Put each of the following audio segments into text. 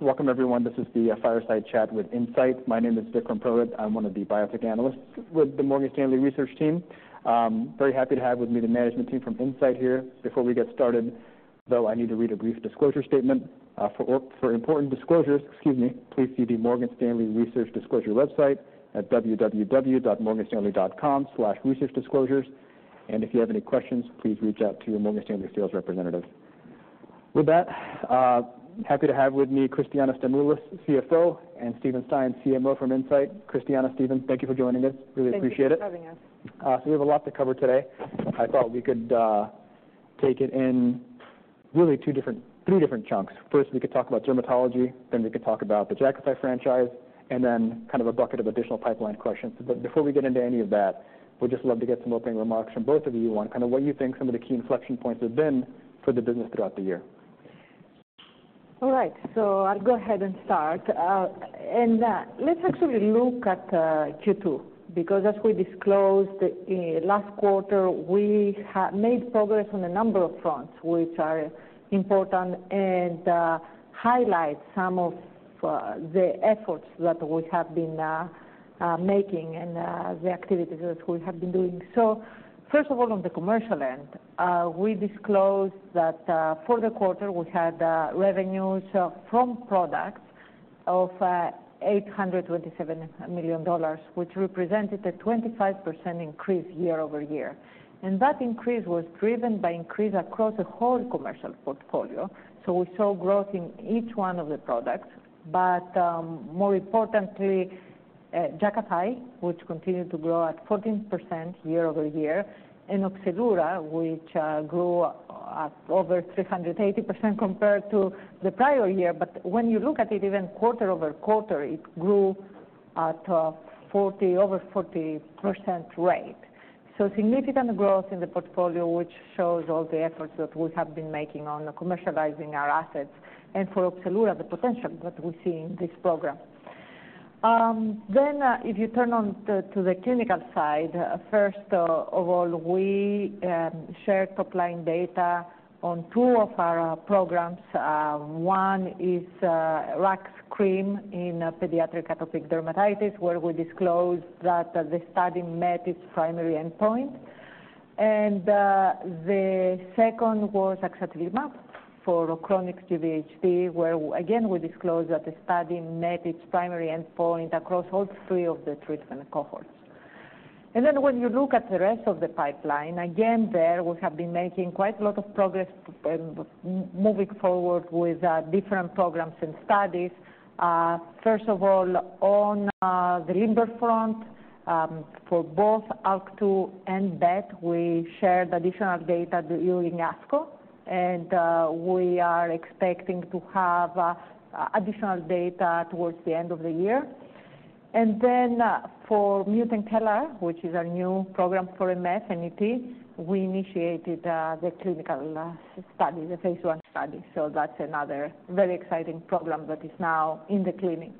Welcome everyone. This is the Fireside Chat with Incyte. My name is Vikram Purohit. I'm one of the biotech analysts with the Morgan Stanley Research Team. Very happy to have with me the management team from Incyte here. Before we get started, though, I need to read a brief disclosure statement. For important disclosures, excuse me, please see the Morgan Stanley Research Disclosure website at www.morganstanley.com/researchdisclosures. And if you have any questions, please reach out to your Morgan Stanley sales representative. With that, happy to have with me, Christiana Stamoulis, CFO, and Steven Stein, CMO from Incyte. Christiana, Steven, thank you for joining us. Really appreciate it. Thank you for having us. So we have a lot to cover today. I thought we could take it in really two different - three different chunks. First, we could talk about dermatology, then we could talk about the Jakafi franchise, and then kind of a bucket of additional pipeline questions. But before we get into any of that, we'd just love to get some opening remarks from both of you on kind of what you think some of the key inflection points have been for the business throughout the year. All right, so I'll go ahead and start. And let's actually look at Q2, because as we disclosed in last quarter, we made progress on a number of fronts, which are important, and highlight some of the efforts that we have been making and the activities that we have been doing. So first of all, on the commercial end, we disclosed that for the quarter, we had revenues from products of $827 million, which represented a 25% increase year-over-year. And that increase was driven by increase across the whole commercial portfolio, so we saw growth in each one of the products. But, more importantly, Jakafi, which continued to grow at 14% year-over-year, and Opzelura, which grew at over 380% compared to the prior year. But when you look at it even quarter-over-quarter, it grew at over 40% rate. So significant growth in the portfolio, which shows all the efforts that we have been making on commercializing our assets, and for Opzelura, the potential that we see in this program. Then, if you turn to the clinical side, first of all, we shared top-line data on two of our programs. One is RUX cream in pediatric atopic dermatitis, where we disclosed that the study met its primary endpoint. The second was axatilimab for chronic GVHD, where again, we disclosed that the study met its primary endpoint across all three of the treatment cohorts. And then when you look at the rest of the pipeline, again, there we have been making quite a lot of progress, moving forward with different programs and studies. First of all, on the LIMBER front, for both ALK2 and BET, we shared additional data during ASCO, and we are expecting to have additional data towards the end of the year. And then, for mutant CALR, which is our new program for MF, ET, we initiated the clinical study, the phase 1 study. So that's another very exciting program that is now in the clinic.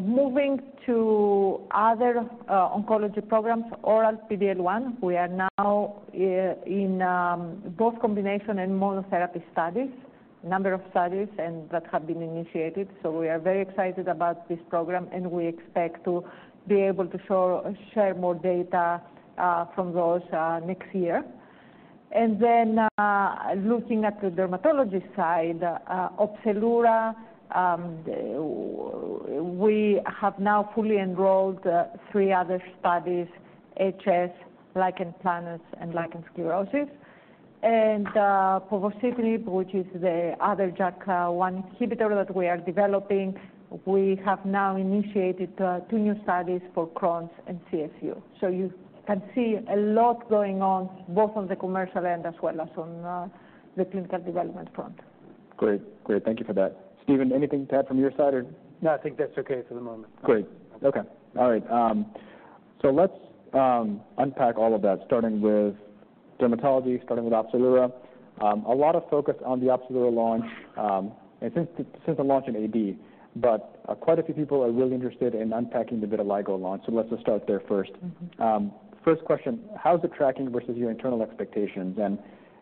Moving to other oncology programs, oral PD-L1, we are now in both combination and monotherapy studies, a number of studies, and that have been initiated. So we are very excited about this program, and we expect to be able to show share more data from those next year. And then looking at the dermatology side, Opzelura, we have now fully enrolled three other studies, HS, lichen planus, and lichen sclerosus. And povorcitinib, which is the other JAK1 inhibitor that we are developing, we have now initiated two new studies for Crohn's and CSU. So you can see a lot going on, both on the commercial end as well as on the clinical development front. Great. Great, thank you for that. Steven, anything to add from your side or? No, I think that's okay for the moment. Great. Okay. All right, so let's unpack all of that, starting with dermatology, starting with Opzelura. A lot of focus on the Opzelura launch, and since the, since the launch in AD, but quite a few people are really interested in unpacking the vitiligo launch, so let's just start there first. First question, how's it tracking versus your internal expectations? And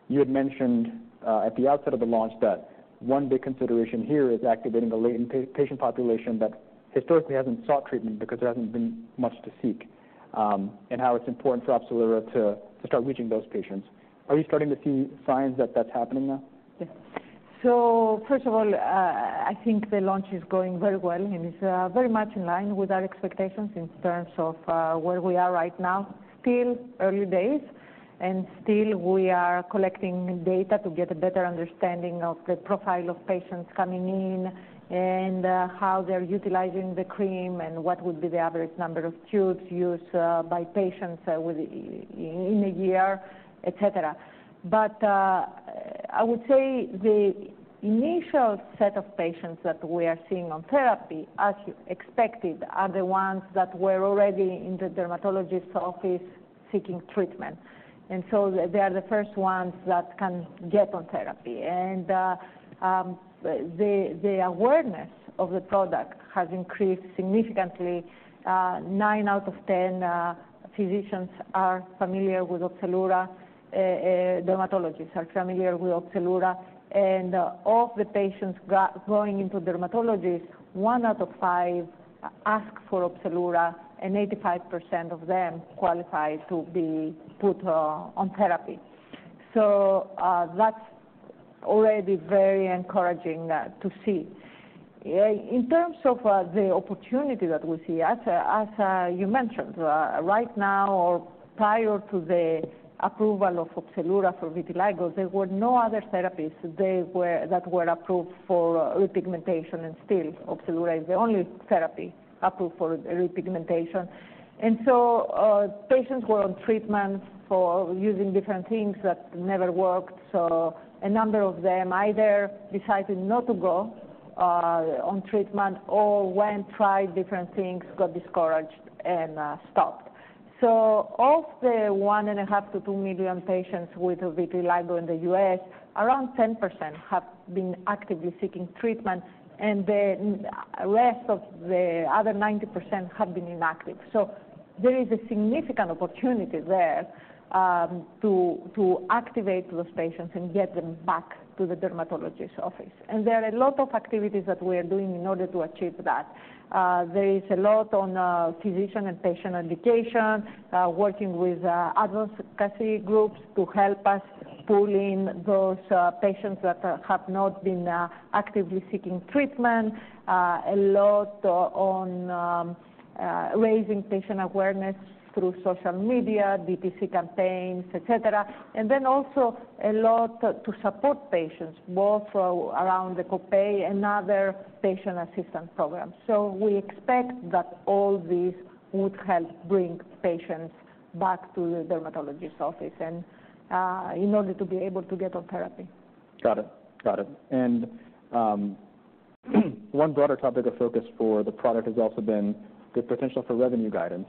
you had mentioned at the outset of the launch that one big consideration here is activating the latent patient population that historically hasn't sought treatment because there hasn't been much to seek, and how it's important for Opzelura to start reaching those patients. Are we starting to see signs that that's happening now? So first of all, I think the launch is going very well, and it's very much in line with our expectations in terms of where we are right now. Still early days, and still we are collecting data to get a better understanding of the profile of patients coming in and how they're utilizing the cream and what would be the average number of tubes used by patients within a year, etc. But I would say the initial set of patients that we are seeing on therapy, as you expected, are the ones that were already in the dermatologist's office seeking treatment. And the awareness of the product has increased significantly. Nine out of ten physicians are familiar with Opzelura. Dermatologists are familiar with Opzelura. And of the patients going into dermatologists, one out of five ask for Opzelura, and 85% of them qualify to be put on therapy. So, that's already very encouraging to see. In terms of the opportunity that we see, as you mentioned, right now or prior to the approval of Opzelura for vitiligo, there were no other therapies that were approved for repigmentation, and still Opzelura is the only therapy approved for repigmentation. And so, patients were on treatment for using different things that never worked, so a number of them either decided not to go on treatment or went, tried different things, got discouraged and stopped. So of the 1.5-2 million patients with vitiligo in the US, around 10% have been actively seeking treatment, and the rest of the other 90% have been inactive. So there is a significant opportunity there to activate those patients and get them back to the dermatologist's office. And there are a lot of activities that we are doing in order to achieve that. There is a lot on physician and patient education, working with advocacy groups to help us pull in those patients that have not been actively seeking treatment, a lot on raising patient awareness through social media, DTC campaigns, et cetera. And then also a lot to support patients, both around the copay and other patient assistance programs. So we expect that all these would help bring patients back to the dermatologist's office and in order to be able to get on therapy. Got it. Got it. And, one broader topic of focus for the product has also been the potential for revenue guidance.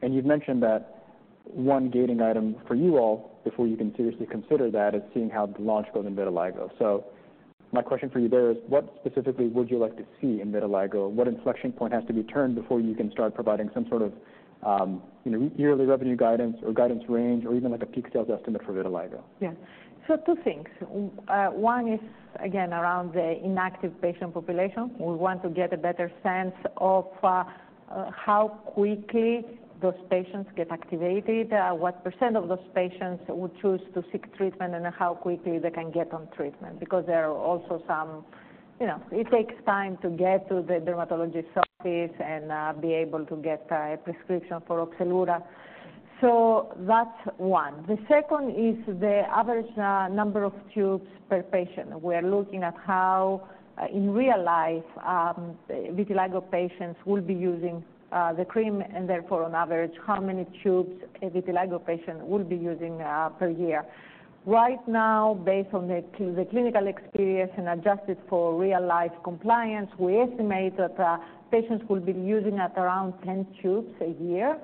And you've mentioned that one gating item for you all, before you can seriously consider that, is seeing how the launch goes in vitiligo. So my question for you there is, what specifically would you like to see in vitiligo? What inflection point has to be turned before you can start providing some sort of, you know, yearly revenue guidance or guidance range, or even, like, a peak sales estimate for vitiligo? Yeah. So two things. One is, again, around the inactive patient population. We want to get a better sense of how quickly those patients get activated, what % of those patients would choose to seek treatment, and how quickly they can get on treatment. Because there are also some... You know, it takes time to get to the dermatologist's office and be able to get a prescription for Opzelura. So that's one. The second is the average number of tubes per patient. We're looking at how, in real life, vitiligo patients will be using the cream, and therefore, on average, how many tubes a vitiligo patient will be using per year. Right now, based on the clinical experience and adjusted for real-life compliance, we estimate that patients will be using around 10 tubes a year,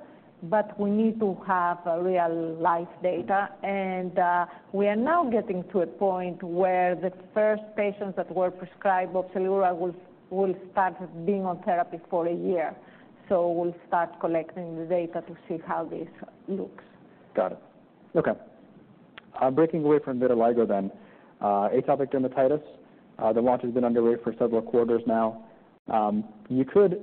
but we need to have real-life data. And we are now getting to a point where the first patients that were prescribed Opzelura will start being on therapy for a year. So we'll start collecting the data to see how this looks. Got it. Okay. Breaking away from vitiligo then, atopic dermatitis, the launch has been underway for several quarters now. You could,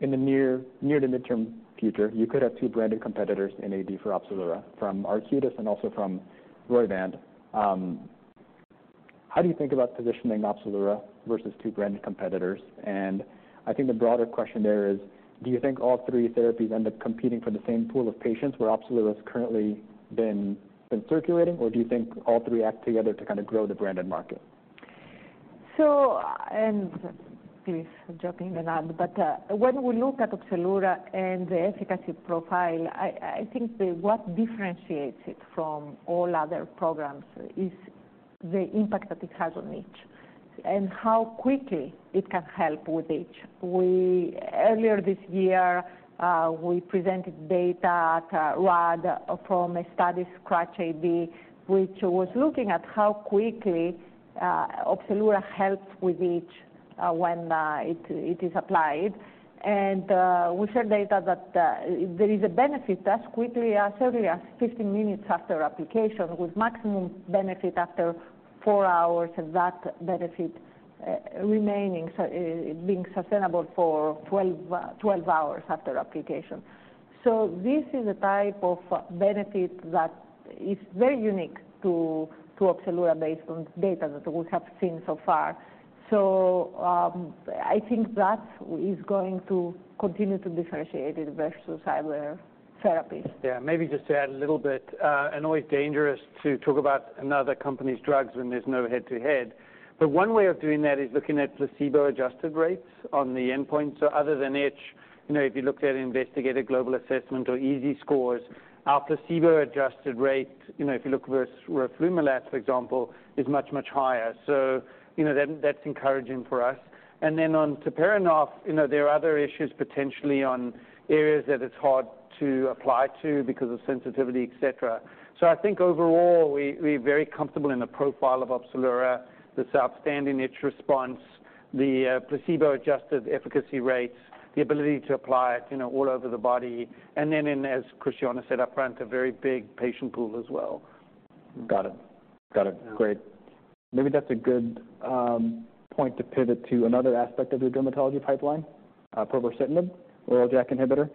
in the near, near to midterm future, you could have two branded competitors in AD for Opzelura, from Arcutis and also from Roivant. How do you think about positioning Opzelura versus two branded competitors? And I think the broader question there is, do you think all three therapies end up competing for the same pool of patients, where Opzelura has currently been, been circulating, or do you think all three act together to kind of grow the branded market? So, jumping in. But when we look at Opzelura and the efficacy profile, I think what differentiates it from all other programs is the impact that it has on itch, and how quickly it can help with itch. Earlier this year, we presented data at RAD from a study, SCRATCH-AD, which was looking at how quickly Opzelura helps with itch when it is applied. And we saw data that there is a benefit as quickly as early as 15 minutes after application, with maximum benefit after 4 hours, and that benefit remaining being sustainable for 12 hours after application. So this is a type of benefit that is very unique to Opzelura, based on data that we have seen so far. So, I think that is going to continue to differentiate it versus other therapies. Yeah, maybe just to add a little bit, and always dangerous to talk about another company's drugs when there's no head-to-head, but one way of doing that is looking at placebo-adjusted rates on the endpoint. So other than itch, you know, if you looked at Investigator's Global Assessment or EASI scores, our placebo-adjusted rate, you know, if you look versus roflumilast, for example, is much, much higher. So, you know, that, that's encouraging for us. And then on tapinarof, you know, there are other issues potentially on areas that it's hard to apply to because of sensitivity, et cetera. So I think overall, we, we're very comfortable in the profile of Opzelura, this outstanding itch response, the, placebo-adjusted efficacy rates, the ability to apply it, you know, all over the body, and then in, as Christiana said upfront, a very big patient pool as well.... Got it. Got it. Great. Maybe that's a good point to pivot to another aspect of your dermatology pipeline, povorcitinib, oral JAK inhibitor.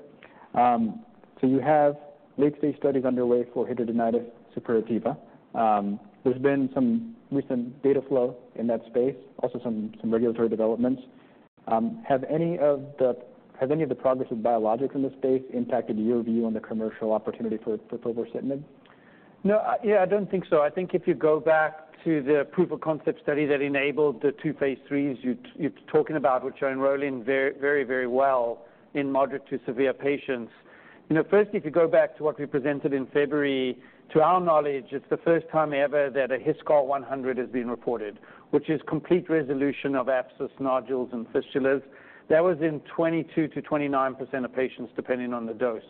So you have late-stage studies underway for hidradenitis suppurativa. There's been some recent data flow in that space, also some regulatory developments. Have any of the progress with biologics in this space impacted your view on the commercial opportunity for povorcitinib? No, yeah, I don't think so. I think if you go back to the proof of concept study that enabled the two phase III, you're talking about, which are enrolling very, very, very well in moderate to severe patients. You know, firstly, if you go back to what we presented in February, to our knowledge, it's the first time ever that a HiSCR100 has been reported, which is complete resolution of abscess, nodules, and fistulas. That was in 22%-29% of patients, depending on the dose.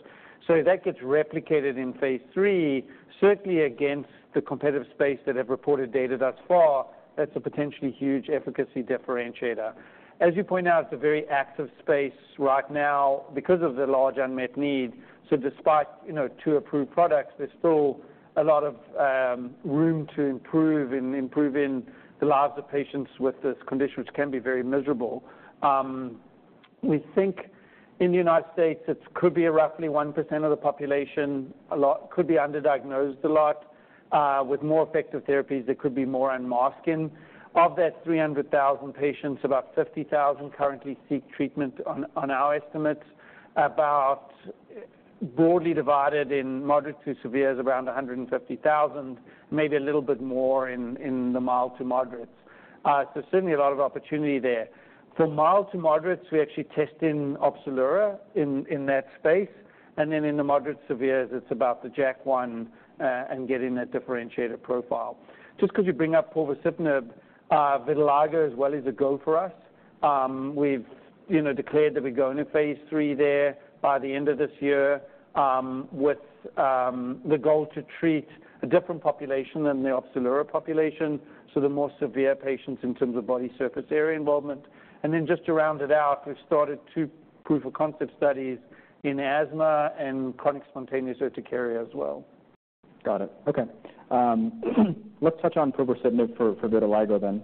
So if that gets replicated in phase III, certainly against the competitive space that have reported data thus far, that's a potentially huge efficacy differentiator. As you point out, it's a very active space right now because of the large unmet need. So despite, you know, two approved products, there's still a lot of room to improve and improve in the lives of patients with this condition, which can be very miserable. We think in the United States, it could be roughly 1% of the population, a lot, could be underdiagnosed a lot. With more effective therapies, it could be more unmasking. Of that 300,000 patients, about 50,000 currently seek treatment on our estimates, about broadly divided in moderate to severe is around 150,000, maybe a little bit more in the mild to moderates. So certainly a lot of opportunity there. For mild to moderates, we're actually testing Opzelura in that space, and then in the moderate severes, it's about the JAK1 and getting a differentiated profile. Just because you bring up povorcitinib, vitiligo as well is a go for us. We've, you know, declared that we're going to phase III there by the end of this year, with, the goal to treat a different population than the Opzelura population, so the more severe patients in terms of body surface area involvement. And then just to round it out, we've started two proof of concept studies in asthma and chronic spontaneous urticaria as well. Got it. Okay. Let's touch on povorcitinib for vitiligo then.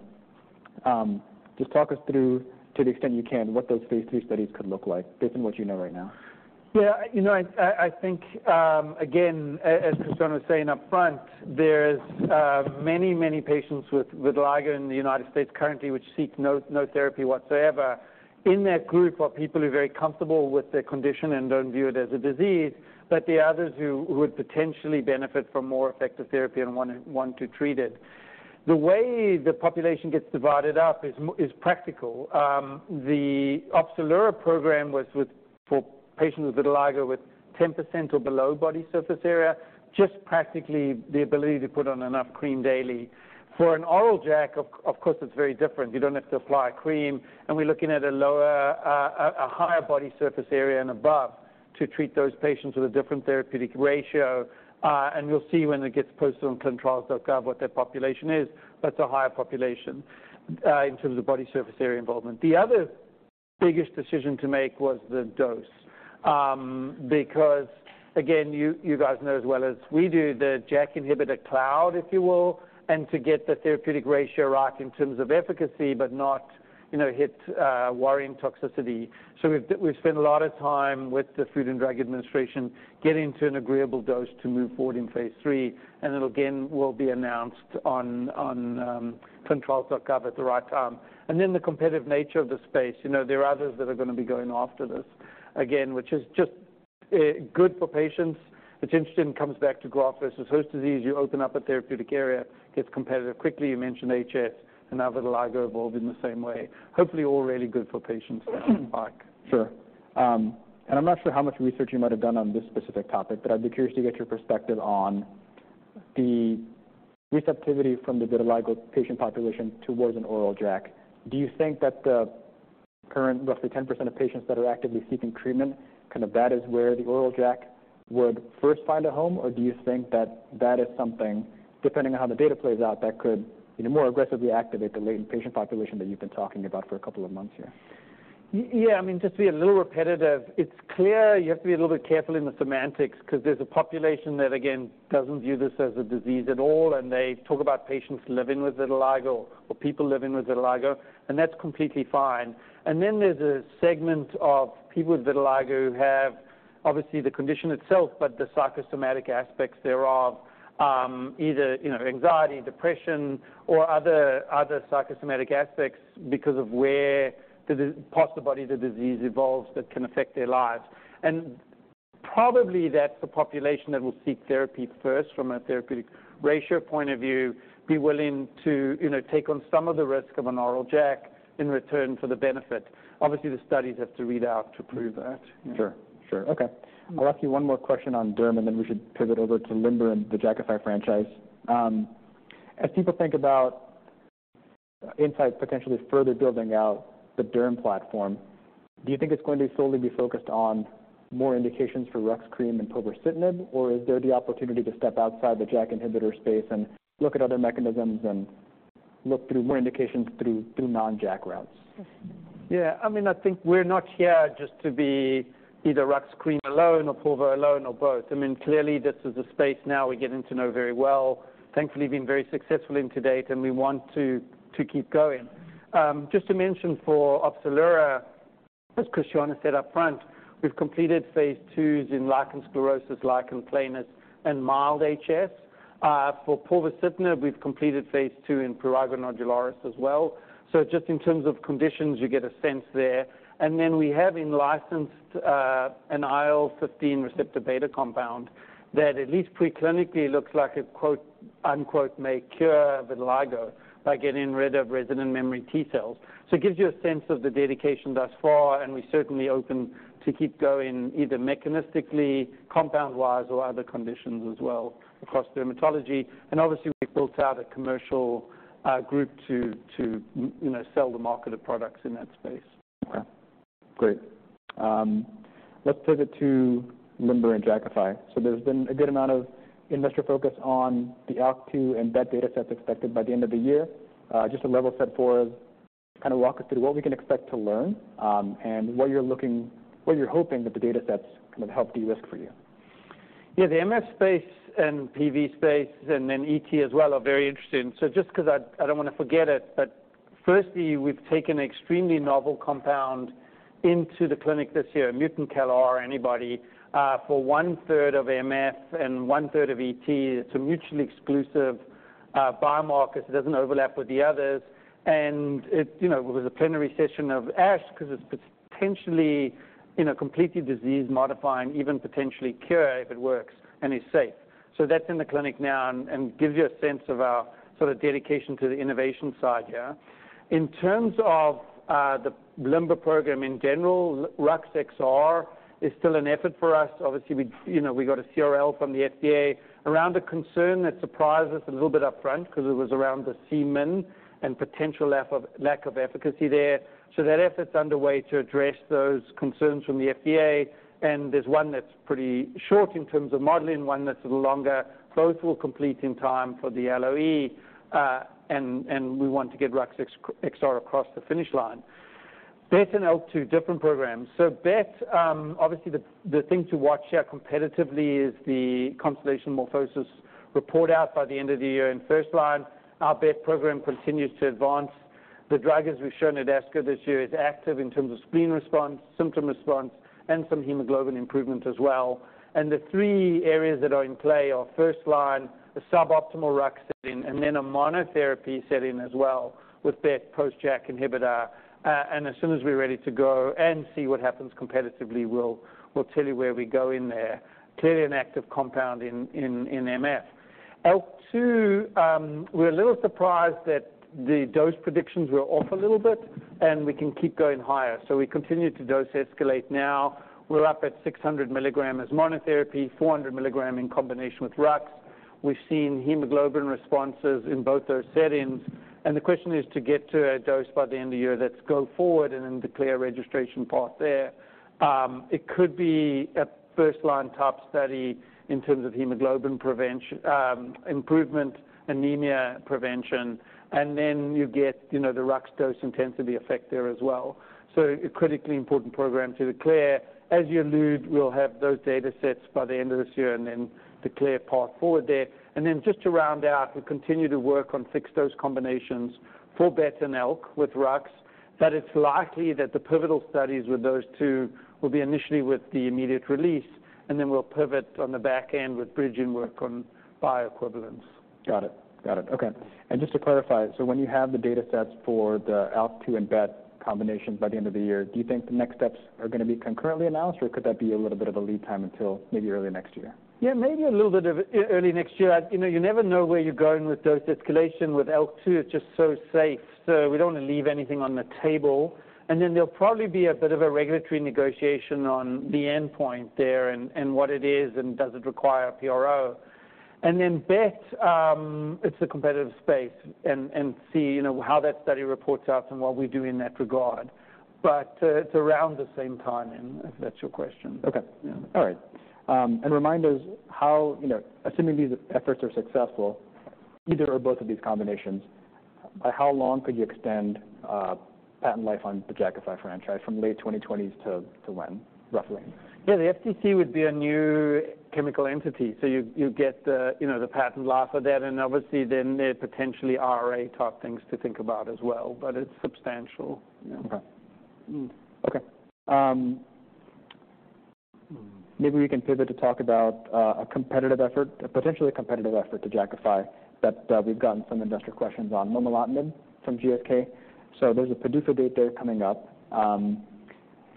Just talk us through, to the extent you can, what those phase III studies could look like based on what you know right now. Yeah, you know, I think, again, as Christiana was saying upfront, there's many, many patients with vitiligo in the United States currently, which seek no therapy whatsoever. In that group are people who are very comfortable with their condition and don't view it as a disease, but there are others who would potentially benefit from more effective therapy and want to treat it. The way the population gets divided up is practical. The Opzelura program was for patients with vitiligo, with 10% or below body surface area, just practically the ability to put on enough cream daily. For an oral JAK, of course, it's very different. You don't have to apply a cream, and we're looking at a lower, a higher body surface area and above to treat those patients with a different therapeutic ratio. And you'll see when it gets posted on ClinicalTrials.gov, what that population is. That's a higher population in terms of body surface area involvement. The other biggest decision to make was the dose. Because, again, you guys know as well as we do, the JAK inhibitor cloud, if you will, and to get the therapeutic ratio right in terms of efficacy, but not, you know, hit worrying toxicity. So we've spent a lot of time with the Food and Drug Administration getting to an agreeable dose to move forward in phase III, and it again, will be announced on clinicaltrials.gov at the right time. And then the competitive nature of the space. You know, there are others that are going to be going after this, again, which is just good for patients. It's interesting, it comes back to graft-versus-host disease. You open up a therapeutic area, it gets competitive quickly. You mentioned HS and now vitiligo evolving the same way. Hopefully, all really good for patients. Mike. Sure. And I'm not sure how much research you might have done on this specific topic, but I'd be curious to get your perspective on the receptivity from the vitiligo patient population towards an oral JAK. Do you think that the current roughly 10% of patients that are actively seeking treatment, kind of that is where the oral JAK would first find a home? Or do you think that that is something, depending on how the data plays out, that could, you know, more aggressively activate the latent patient population that you've been talking about for a couple of months here? Yeah, I mean, just to be a little repetitive, it's clear you have to be a little bit careful in the semantics because there's a population that, again, doesn't view this as a disease at all, and they talk about patients living with vitiligo or people living with vitiligo, and that's completely fine. And then there's a segment of people with vitiligo who have obviously the condition itself, but the psychosomatic aspects thereof, either, you know, anxiety, depression, or other psychosomatic aspects because of where the parts of the body the disease evolves that can affect their lives. And probably, that's the population that will seek therapy first from a therapeutic ratio point of view, be willing to, you know, take on some of the risk of an oral JAK in return for the benefit. Obviously, the studies have to read out to prove that. Sure. Sure. Okay. I'll ask you one more question on derm, and then we should pivot over to LIMBER and the Jakafi franchise. As people think about Incyte potentially further building out the derm platform, do you think it's going to solely be focused on more indications for RUX cream and povorcitinib? Or is there the opportunity to step outside the JAK inhibitor space and look at other mechanisms and look through more indications through non-JAK routes? Yeah, I mean, I think we're not here just to be either RUX cream alone or povorcitinib alone, or both. I mean, clearly, this is a space now we're getting to know very well, thankfully, been very successful in to date, and we want to keep going. Just to mention for Opzelura, as Christiana said up front, we've completed phase 2s in lichen sclerosus, lichen planus, and mild HS. For povorcitinib, we've completed phase 2 in prurigo nodularis as well. So just in terms of conditions, you get a sense there. And then we have in-licensed an IL-15 receptor beta compound that at least pre-clinically looks like a, quote, unquote, "may cure" vitiligo by getting rid of resident memory T cells. So it gives you a sense of the dedication thus far, and we're certainly open to keep going, either mechanistically, compound-wise, or other conditions as well across dermatology. And obviously, we've built out a commercial group to you know, sell the market of products in that space. Okay, great. Let's pivot to LIMBER and Jakafi. So there's been a good amount of investor focus on the ALK2 and that dataset expected by the end of the year. Just a level set for us, kind of walk us through what we can expect to learn, and what you're looking-- what you're hoping that the datasets kind of help de-risk for you. Yeah, the MF space and PV space, and then ET as well, are very interesting. So just 'cause I, I don't wanna forget it, but firstly, we've taken an extremely novel compound into the clinic this year, mutant CALR antibody, for one-third of MF and one-third of ET. It's a mutually exclusive biomarker. It doesn't overlap with the others. And it, you know, it was a plenary session of ASH, 'cause it's potentially, you know, completely disease-modifying, even potentially cure, if it works, and is safe. So that's in the clinic now and, and gives you a sense of our sort of dedication to the innovation side here. In terms of the LIMBER program in general, RUX XR is still an effort for us. Obviously, we, you know, we got a CRL from the FDA around a concern that surprised us a little bit upfront, 'cause it was around the Cmin and potential lack of efficacy there. So that effort's underway to address those concerns from the FDA, and there's one that's pretty short in terms of modeling, one that's a little longer. Both will complete in time for the LOE, and we want to get RUX XR across the finish line. BET and ALK2, different programs. So BET, obviously, the thing to watch here competitively is the Constellation MorphoSys report out by the end of the year in first line. Our BET program continues to advance. The drug, as we've shown at ASCO this year, is active in terms of spleen response, symptom response, and some hemoglobin improvement as well. The three areas that are in play are first line, a suboptimal RUX setting, and then a monotherapy setting as well, with BET post-JAK inhibitor. And as soon as we're ready to go and see what happens competitively, we'll tell you where we go in there. Clearly, an active compound in MF. ALK-2, we're a little surprised that the dose predictions were off a little bit, and we can keep going higher. So we continue to dose escalate now. We're up at 600 milligrams as monotherapy, 400 milligrams in combination with RUX. We've seen hemoglobin responses in both those settings. And the question is to get to a dose by the end of the year that's go forward and then declare a registration path there. It could be a first-line type study in terms of hemoglobin prevention, improvement, anemia prevention, and then you get, you know, the RUX dose-intensity effect there as well. So a critically important program to declare. As you allude, we'll have those datasets by the end of this year and then declare path forward there. And then just to round out, we continue to work on fixed-dose combinations for BET and ALK with RUX, that it's likely that the pivotal studies with those two will be initially with the immediate release, and then we'll pivot on the back end with bridging work on bioequivalence. Got it. Got it. Okay, and just to clarify, so when you have the datasets for the ALK2 and BET combination by the end of the year, do you think the next steps are gonna be concurrently announced, or could that be a little bit of a lead time until maybe early next year? Yeah, maybe a little bit of early next year. You know, you never know where you're going with dose escalation. With CDK2, it's just so safe, so we don't want to leave anything on the table. And then there'll probably be a bit of a regulatory negotiation on the endpoint there and what it is, and does it require a PRO. And then BET, it's a competitive space and see, you know, how that study reports out and what we do in that regard. But it's around the same time, if that's your question. Okay. Yeah. All right. And remind us how... You know, assuming these efforts are successful, either or both of these combinations, by how long could you extend patent life on the Jakafi franchise, from late 2020s to when, roughly? Yeah, the NCE would be a new chemical entity, so you'd get the, you know, the patent life of that, and obviously, then there potentially are eight top things to think about as well, but it's substantial. Okay. Okay. Maybe we can pivot to talk about a competitive effort, a potentially competitive effort to Jakafi, that we've gotten some investor questions on momelotinib from GSK. So there's a PDUFA date there coming up.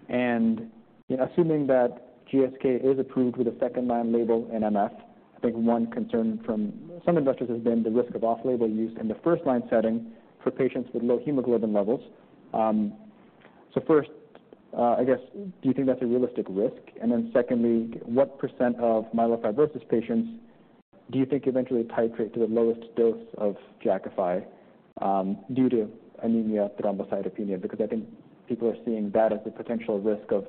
And, you know, assuming that GSK is approved with a second-line label in MF, I think one concern from some investors has been the risk of off-label use in the first-line setting for patients with low hemoglobin levels. So first, I guess, do you think that's a realistic risk? And then secondly, what % of myelofibrosis patients do you think eventually titrate to the lowest dose of Jakafi due to anemia thrombocytopenia? Because I think people are seeing that as a potential risk of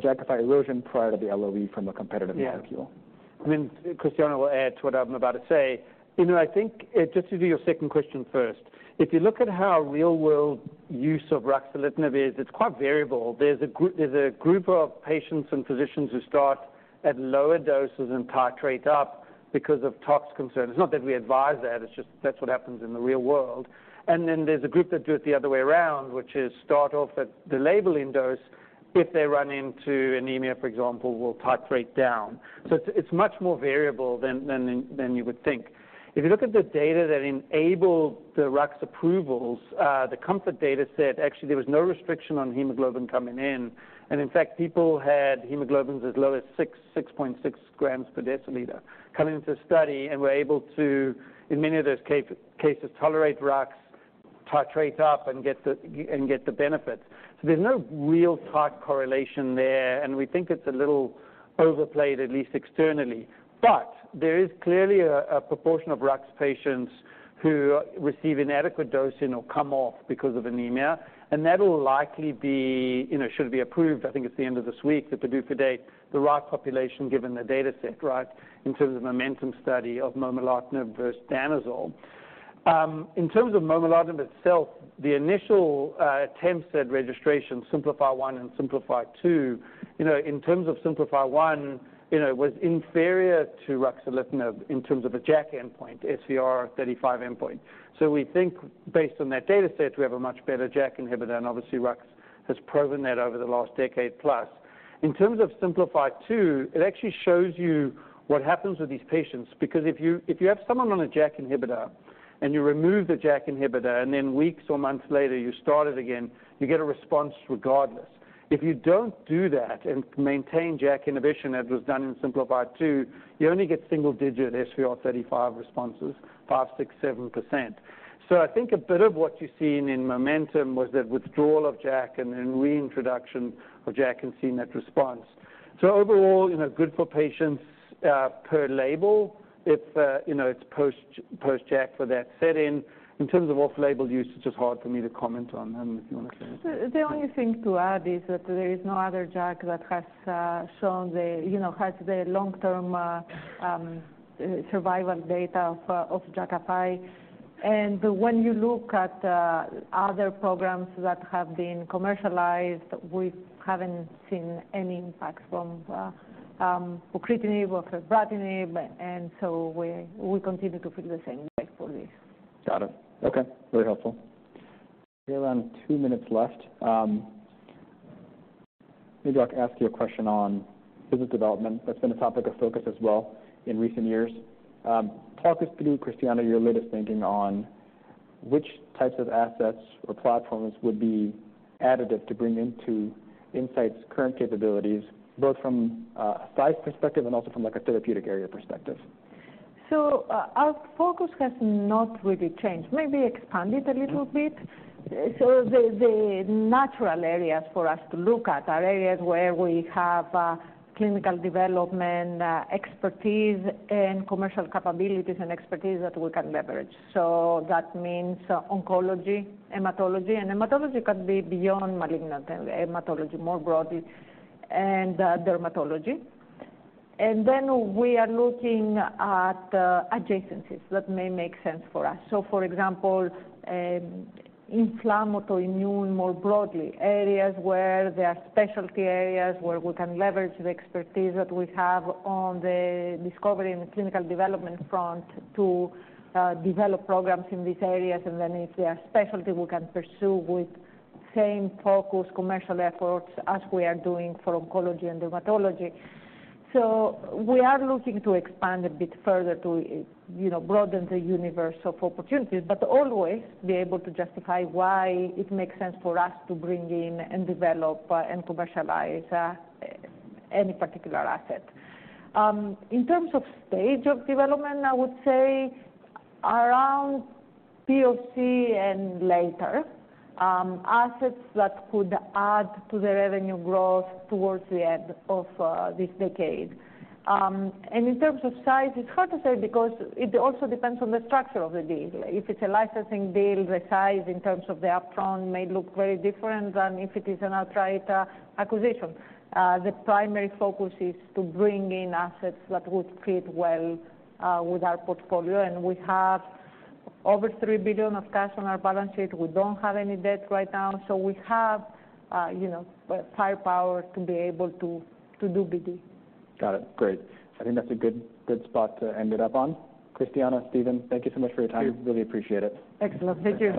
Jakafi erosion prior to the LOE from a competitive molecule. Yeah. I mean, Christiana will add to what I'm about to say. You know, I think, just to do your second question first, if you look at how real-world use of ruxolitinib is, it's quite variable. There's a group, there's a group of patients and physicians who start at lower doses and titrate up because of tox concern. It's not that we advise that, it's just that's what happens in the real world. And then there's a group that do it the other way around, which is start off at the labeling dose. If they run into anemia, for example, we'll titrate down. So it's, it's much more variable than, than, than you would think. If you look at the data that enabled the RUX approvals, the COMFORT data set, actually, there was no restriction on hemoglobin coming in. In fact, people had hemoglobins as low as 6, 6.6 grams per deciliter, come into study and were able to, in many of those cases, tolerate RUX, titrate up and get the, and get the benefits. So there's no real tight correlation there, and we think it's a little overplayed, at least externally. But there is clearly a proportion of RUX patients who receive inadequate dosing or come off because of anemia, and that'll likely be, you know, should it be approved, I think it's the end of this week, the PDUFA date, the right population, given the dataset, right, in terms of MOMENTUM study of momelotinib versus danazol. In terms of momelotinib itself, the initial attempts at registration, SIMPLIFY-1 and SIMPLIFY-2, you know, in terms of SIMPLIFY-1, you know, was inferior to ruxolitinib in terms of a JAK endpoint, SVR35 endpoint. So we think based on that data set, we have a much better JAK inhibitor, and obviously, RUX has proven that over the last decade plus. In terms of SIMPLIFY-2, it actually shows you what happens with these patients. Because if you have someone on a JAK inhibitor and you remove the JAK inhibitor, and then weeks or months later, you start it again, you get a response regardless. If you don't do that and maintain JAK inhibition, as was done in SIMPLIFY-2, you only get single-digit SVR35 responses, 5, 6, 7%. So I think a bit of what you're seeing in momentum was the withdrawal of JAK and then reintroduction of JAK and seeing that response. So overall, you know, good for patients, per label, you know, it's post-JAK for that setting. In terms of off-label use, it's just hard for me to comment on them, if you want to say. The only thing to add is that there is no other JAK that has shown the, you know, has the long-term survival data of Jakafi. When you look at other programs that have been commercialized, we haven't seen any impacts from pacritinib or fedratinib, and so we continue to feel the same way for this. Got it. Okay, very helpful. We have around two minutes left. Maybe I can ask you a question on business development. That's been a topic of focus as well in recent years. Talk us through, Christiana, your latest thinking on which types of assets or platforms would be additive to bring into Incyte's current capabilities, both from, size perspective and also from, like, a therapeutic area perspective. So, our focus has not really changed, maybe expanded a little bit. So the natural areas for us to look at are areas where we have clinical development expertise, and commercial capabilities and expertise that we can leverage. So that means oncology, hematology, and hematology can be beyond malignant hematology, more broadly, and dermatology. And then we are looking at adjacencies that may make sense for us. So for example, inflammatory immune, more broadly, areas where there are specialty areas where we can leverage the expertise that we have on the discovery and clinical development front to develop programs in these areas. And then if they are specialty, we can pursue with same focus commercial efforts as we are doing for oncology and dermatology. So we are looking to expand a bit further to, you know, broaden the universe of opportunities, but always be able to justify why it makes sense for us to bring in and develop and commercialize any particular asset. In terms of stage of development, I would say around POC and later, assets that could add to the revenue growth towards the end of this decade. And in terms of size, it's hard to say because it also depends on the structure of the deal. If it's a licensing deal, the size in terms of the upfront may look very different than if it is an outright acquisition. The primary focus is to bring in assets that would fit well with our portfolio, and we have over $3 billion of cash on our balance sheet. We don't have any debt right now, so we have, you know, firepower to be able to, to do BD. Got it. Great. I think that's a good, good spot to end it up on. Christiana, Steven, thank you so much for your time. Sure. Really appreciate it. Excellent. Thank you.